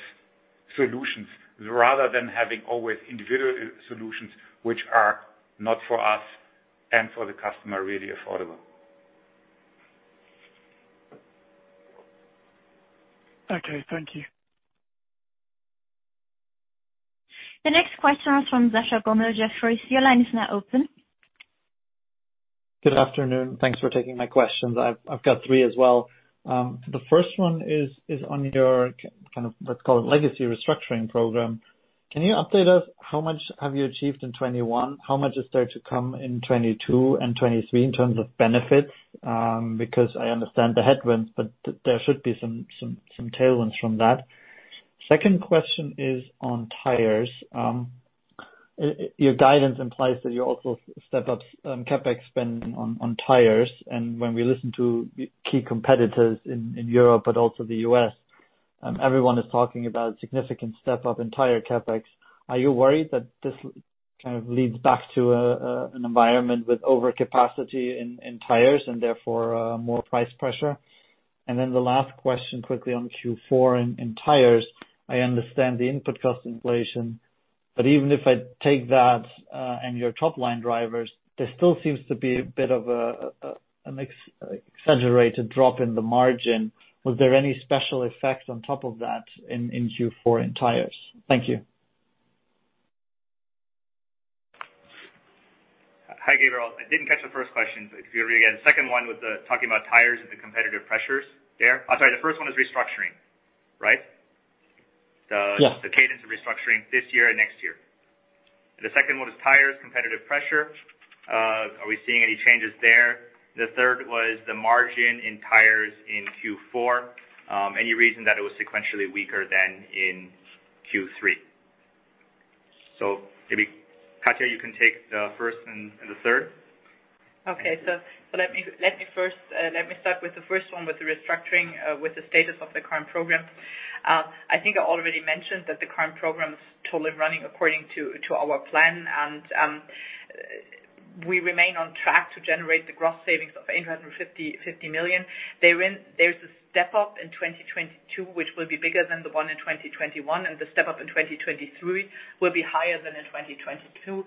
solutions rather than having always individual solutions which are not for us and for the customer really affordable. Okay. Thank you. The next question is from Sascha Gommel of Jefferies. Your line is now open. Good afternoon. Thanks for taking my questions. I've got three as well. The first one is on your kind of legacy restructuring program. Can you update us how much have you achieved in 2021? How much is there to come in 2022 and 2023 in terms of benefits? Because I understand the headwinds, but there should be some tailwinds from that. Second question is on Tires. Your guidance implies that you also step up CapEx spend on Tires. When we listen to key competitors in Europe but also the U.S., everyone is talking about significant step up in tire CapEx. Are you worried that this kind of leads back to an environment with overcapacity in Tires and therefore more price pressure? The last question quickly on Q4 in Tires. I understand the input cost inflation, but even if I take that, and your top-line drivers, there still seems to be a bit of an exaggerated drop in the margin. Was there any special effect on top of that in Q4 in Tires? Thank you. Hi, Gabriel. I didn't catch the first question, but could you repeat again? The second one with the talking about Tires and the competitive pressures there. I'm sorry. The first one is restructuring, right? Yeah. The cadence of restructuring this year and next year. The second one is Tires, competitive pressure. Are we seeing any changes there? The third was the margin in Tires in Q4. Any reason that it was sequentially weaker than in Q3? Maybe Katja, you can take the first and the third. Let me first start with the first one, with the restructuring, with the status of the current program. I think I already mentioned that the current program's totally running according to our plan and we remain on track to generate the gross savings of 850 million. There's a step up in 2022, which will be bigger than the one in 2021, and the step up in 2023 will be higher than in 2022.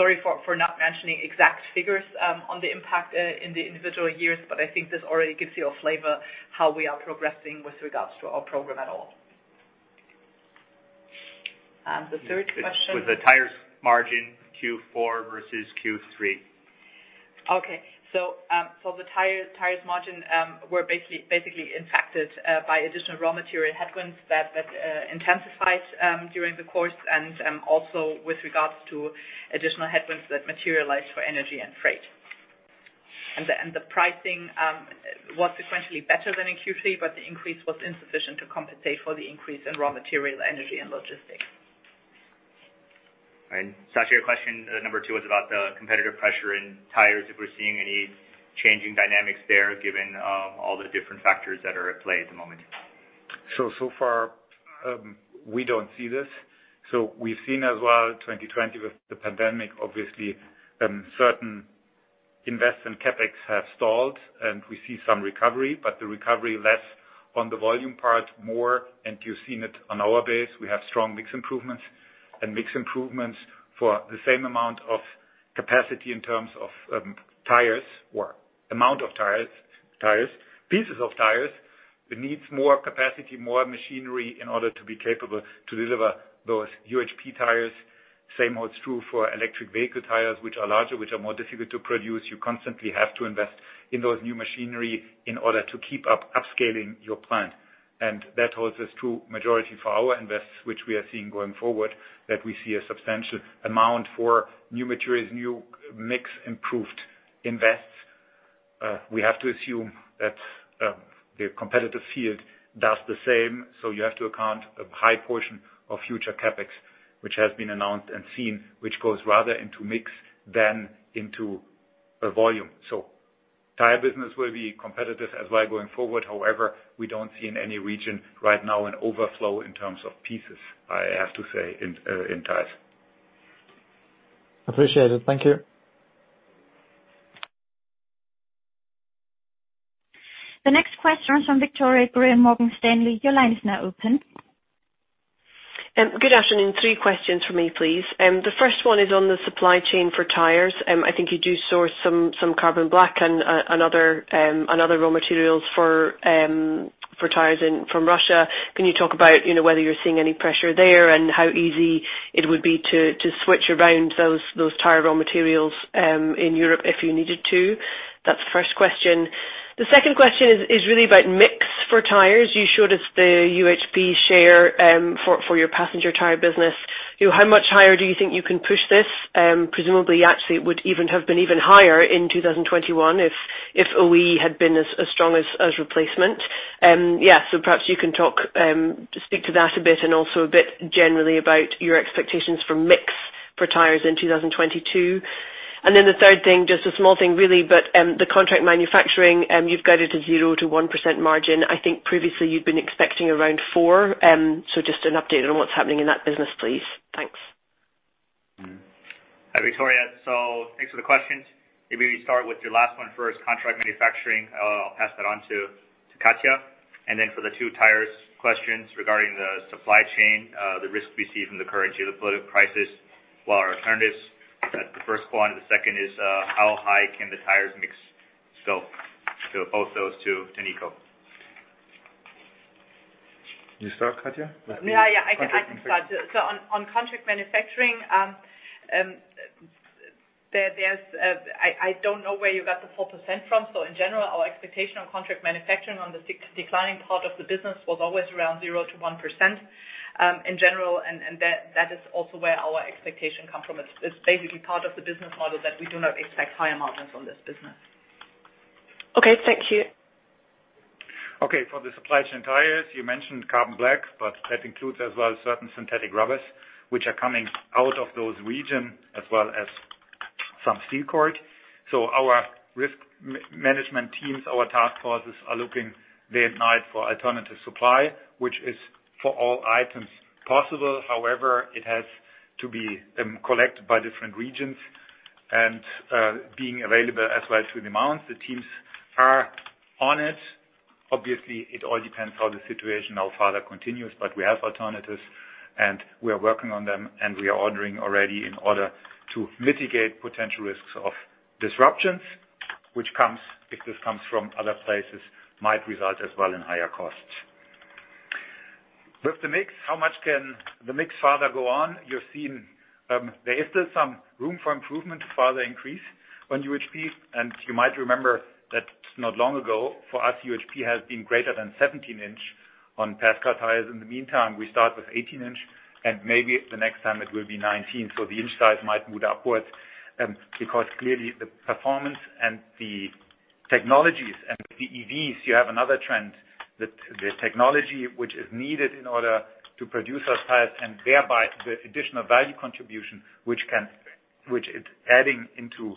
Sorry for not mentioning exact figures on the impact in the individual years, but I think this already gives you a flavor how we are progressing with regards to our program at all. The third question. With the Tires margin Q4 versus Q3. Okay. The Tires margin were basically impacted by additional raw material headwinds that intensified during the course and also with regards to additional headwinds that materialized for energy and freight. The pricing was sequentially better than in Q3, but the increase was insufficient to compensate for the increase in raw material, energy and logistics. Sascha, your question number two was about the competitive pressure in Tires, if we're seeing any changing dynamics there, given all the different factors that are at play at the moment. So far, we don't see this. We've seen as well, 2020 with the pandemic, obviously, certain investments and CapEx have stalled, and we see some recovery, but the recovery less on the volume part more. You've seen it on our base. We have strong mix improvements for the same amount of capacity in terms of Tires or amount of tires, pieces of tires. It needs more capacity, more machinery in order to be capable to deliver those UHP tires. Same holds true for electric vehicle tires, which are larger, which are more difficult to produce. You constantly have to invest in those new machinery in order to keep upscaling your plant. That holds true for the majority of our investments, which we are seeing going forward, that we see a substantial amount for new materials, new mix, improved investments. We have to assume that the competitive field does the same. You have to account for a high portion of future CapEx, which has been announced and seen, which goes rather into mix than into a volume. Tire business will be competitive as well going forward. However, we don't see in any region right now an overflow in terms of pieces, I have to say, in tires. Appreciate it. Thank you. The next question is from Victoria Greer from Morgan Stanley. Your line is now open. Good afternoon. Three questions for me, please. The first one is on the supply chain for Tires. I think you do source some carbon black and other raw materials for tires from Russia. Can you talk about, you know, whether you're seeing any pressure there and how easy it would be to switch around those tire raw materials in Europe if you needed to? That's the first question. The second question is really about mix for Tires. You showed us the UHP share for your passenger tire business. You know, how much higher do you think you can push this? Presumably, actually, it would even have been even higher in 2021 if OE had been as strong as replacement. Yeah. Perhaps you can speak to that a bit and also a bit generally about your expectations for mix for Tires in 2022. Then the third thing, just a small thing really, but the contract manufacturing, you've guided to 0%-1% margin. I think previously you'd been expecting around 4%. Just an update on what's happening in that business, please. Thanks. Hi, Victoria. Thanks for the questions. Maybe we start with your last one first, contract manufacturing. I'll pass that on to Katja. Then for the two Tires questions regarding the supply chain, the risk we see from the current geopolitical crisis, while our alternatives, that's the first one. The second is, how high can the Tires mix go? Both those two to Niko. You start, Katja? Yeah. I can start. On contract manufacturing, I don't know where you got the 4% from. In general, our expectation on contract manufacturing on the declining part of the business was always around 0%-1%, in general. That is also where our expectation come from. It's basically part of the business model that we do not expect higher margins on this business. Okay. Thank you. Okay. For the supply chain Tires, you mentioned carbon black, but that includes as well certain synthetic rubbers which are coming out of those region as well as some steel cord. Our risk management teams, our task forces are looking day and night for alternative supply, which is for all items possible. However, it has to be collected by different regions and being available as well through demands. The teams are on it. Obviously, it all depends how the situation now further continues, but we have alternatives, and we are working on them, and we are ordering already in order to mitigate potential risks of disruptions, which, if this comes from other places, might result as well in higher costs. With the mix, how much can the mix further go on? You've seen, there is still some room for improvement to further increase on UHP. You might remember that not long ago, for us, UHP has been greater than 17-inch on passenger tires. In the meantime, we start with 18-inch, and maybe the next time it will be 19-inch. The inch size might move upwards, because clearly the performance and the technologies and with the EVs, you have another trend that the technology which is needed in order to produce those tires and thereby the additional value contribution which it's adding into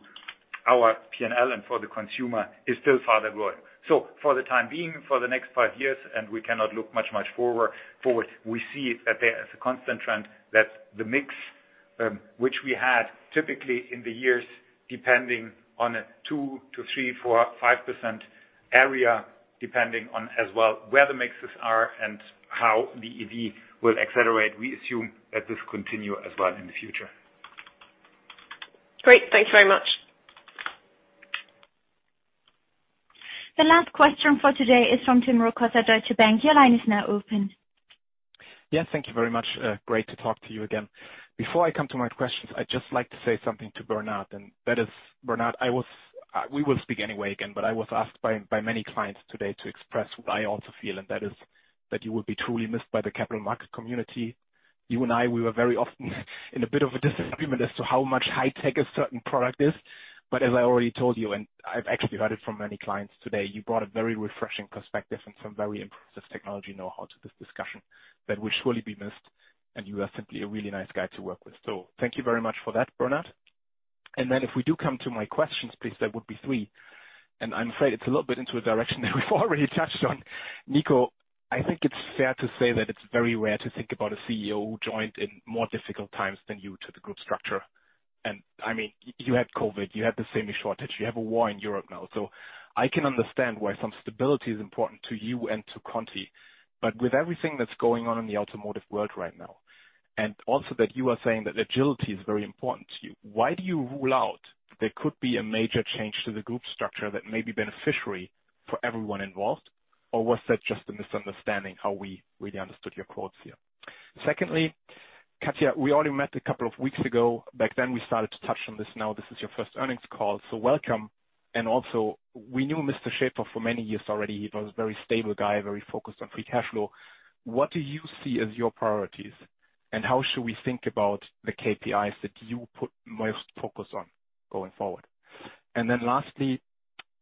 our P&L and for the consumer is still farther growing. For the time being, for the next five years, and we cannot look much forward, we see that there is a constant trend that the mix, which we had typically in the years, depending on a 2%-3%, 4%, 5% area, depending on as well, where the mixes are and how the EV will accelerate. We assume that this continue as well in the future. Great. Thank you very much. The last question for today is from Tim Rokossa, Deutsche Bank. Your line is now open. Yes, thank you very much. Great to talk to you again. Before I come to my questions, I'd just like to say something to Bernard, and that is, Bernard, we will speak anyway again, but I was asked by many clients today to express what I also feel, and that is that you will be truly missed by the capital market community. You and I, we were very often in a bit of a disagreement as to how much high tech a certain product is. As I already told you, and I've actually heard it from many clients today, you brought a very refreshing perspective and some very impressive technology know-how to this discussion that will surely be missed. You are simply a really nice guy to work with. Thank you very much for that, Bernard. If we do come to my questions, please, there would be three. I'm afraid it's a little bit into a direction that we've already touched on. Niko, I think it's fair to say that it's very rare to think about a CEO who joined in more difficult times than you to the group structure. I mean, you had COVID, you had the semi shortage, you have a war in Europe now. I can understand why some stability is important to you and to Conti. With everything that's going on in the automotive world right now, and also that you are saying that agility is very important to you, why do you rule out there could be a major change to the group structure that may be beneficial for everyone involved? Or was that just a misunderstanding, how we really understood your quotes here? Secondly, Katja, we only met a couple of weeks ago. Back then, we started to touch on this. Now, this is your first earnings call. Welcome. Also, we knew Wolfgang Schäfer for many years already. He was a very stable guy, very focused on free cash flow. What do you see as your priorities, and how should we think about the KPIs that you put most focus on going forward? Then lastly,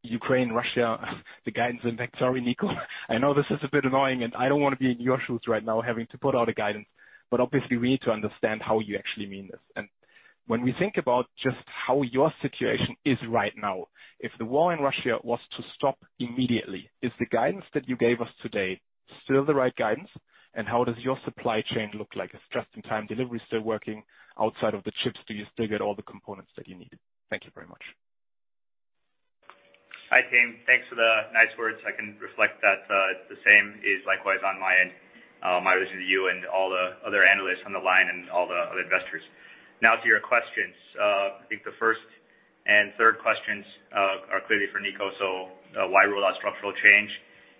Ukraine, Russia, the guidance impact. Sorry, Niko, I know this is a bit annoying, and I don't wanna be in your shoes right now having to put out a guidance, but obviously we need to understand how you actually mean this. When we think about just how your situation is right now, if the war in Russia was to stop immediately, is the guidance that you gave us today still the right guidance? How does your supply chain look like? Is just-in-time delivery still working outside of the chips? Do you still get all the components that you need? Thank you very much. Hi, Tim. Thanks for the nice words. I can reflect that the same is likewise on my end, my wish to you and all the other analysts on the line and all the other investors. Now to your questions. I think the first and third questions are clearly for Niko. Why rule out structural change?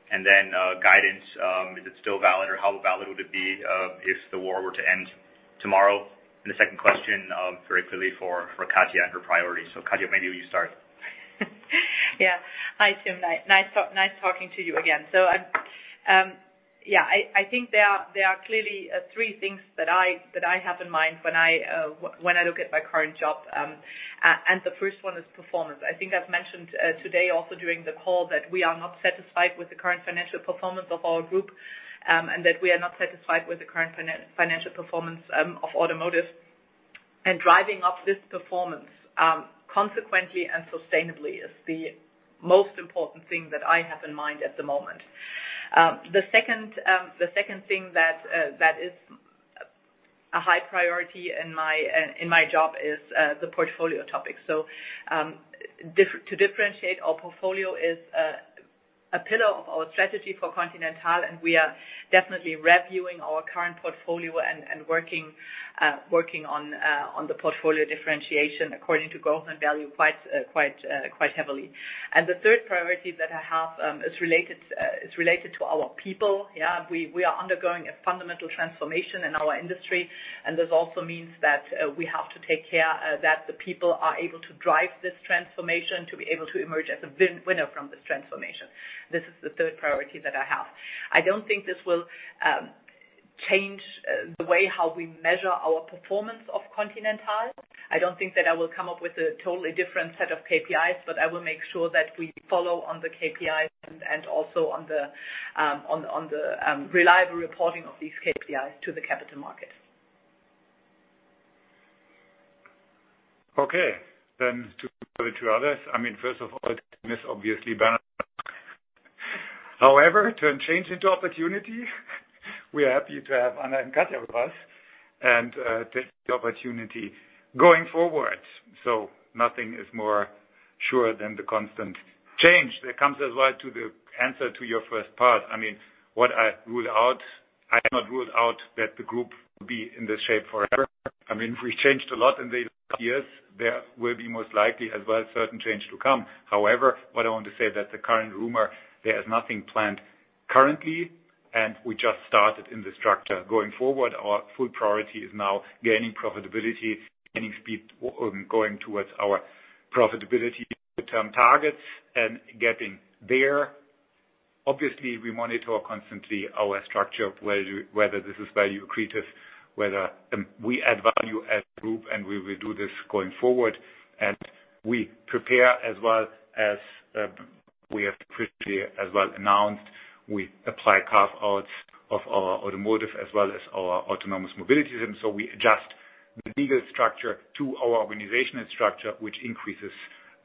Guidance is it still valid, or how valid would it be if the war were to end tomorrow? The second question very clearly for Katja and her priorities. Katja, maybe you start. Yeah. Hi, Tim. Nice talking to you again. I think there are clearly three things that I have in mind when I look at my current job. The first one is performance. I think I've mentioned today also during the call that we are not satisfied with the current financial performance of our Group, and that we are not satisfied with the current financial performance of Automotive. Driving up this performance consequently and sustainably is the most important thing that I have in mind at the moment. The second thing that is a high priority in my job is the portfolio topic. To differentiate our portfolio is a pillar of our strategy for Continental, and we are definitely reviewing our current portfolio and working on the portfolio differentiation according to growth and value quite heavily. The third priority that I have is related to our people, yeah. We are undergoing a fundamental transformation in our industry, and this also means that we have to take care that the people are able to drive this transformation to be able to emerge as a winner from this transformation. This is the third priority that I have. I don't think this will change the way how we measure our performance of Continental. I don't think that I will come up with a totally different set of KPIs, but I will make sure that we follow on the KPIs and also on the reliable reporting of these KPIs to the capital market. Okay. To the two others. I mean, first of all, we'll obviously miss Bernard. However, to turn change into opportunity, we are happy to have Anna and Katja with us and take the opportunity going forward. Nothing is more sure than the constant change that comes as well to the answer to your first part. I mean, what I rule out, I have not ruled out that the Group will be in this shape forever. I mean, we changed a lot in the years. There will be most likely as well certain change to come. However, what I want to say that the current rumor, there is nothing planned currently, and we just started in the structure. Going forward, our full priority is now gaining profitability, gaining speed, going towards our profitability long-term targets and getting there. Obviously, we monitor constantly our structure, whether this is value accretive, whether we add value as a group, and we will do this going forward. We prepare as well as we have previously as well announced, we apply carve-outs of our Automotive as well as our Autonomous Mobility. We adjust the legal structure to our organizational structure, which increases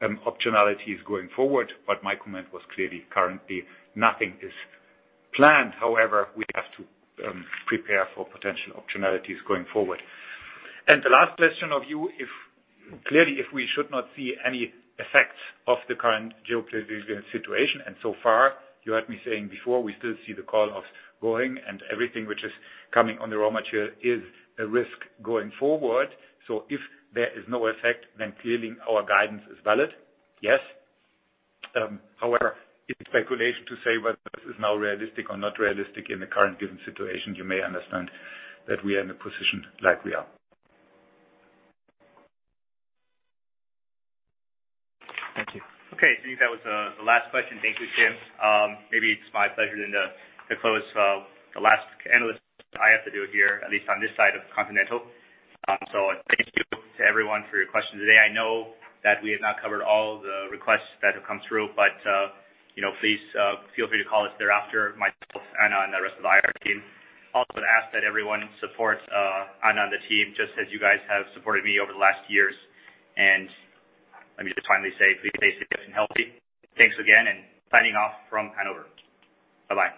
optionalities going forward. My comment was clearly, currently nothing is planned. However, we have to prepare for potential optionalities going forward. The last question from you. Clearly, if we should not see any effects of the current geopolitical situation, and so far, you heard me saying before, we still see the call of going and everything which is coming on the raw material is a risk going forward. If there is no effect, then clearly our guidance is valid, yes. However, it's speculation to say whether this is now realistic or not realistic in the current given situation. You may understand that we are in a position like we are. Thank you. Okay. I think that was the last question. Thank you, Tim. Maybe it's my pleasure then to close the last analyst I have to do here, at least on this side of Continental. Thank you to everyone for your questions today. I know that we have not covered all the requests that have come through, but you know, please feel free to call us thereafter, myself, Anna, and the rest of the IR team. Also to ask that everyone supports Anna and the team, just as you guys have supported me over the last years. Let me just finally say please stay safe and healthy. Thanks again, and signing off from Hanover. Bye-bye.